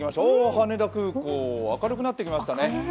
羽田空港、明るくなってきましたね